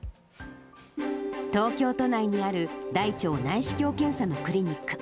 東京都内にある、大腸内視鏡検査のクリニック。